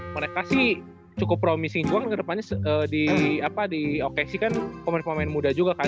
mereka sih cukup promising juga kan ke depannya di oke sih kan pemain pemain muda juga kan